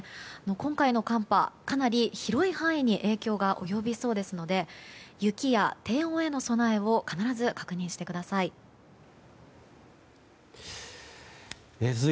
今回の寒波、かなり広い範囲に影響が及びそうですので雪や低温への備えを必ず確認してください。